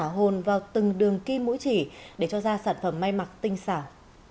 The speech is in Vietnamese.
hồn vào từng đường kim mũi chỉ để cho ra sản phẩm may mặc tinh xảo